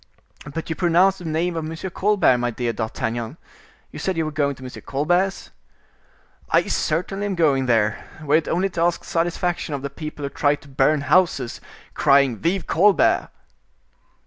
"But you pronounced the name of M. Colbert, my dear M. d'Artagnan; you said you were going to M. Colbert's?" "I certainly am going there, were it only to ask satisfaction of the people who try to burn houses, crying 'Vive Colbert!